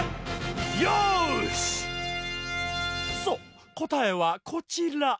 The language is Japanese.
そうこたえはこちら。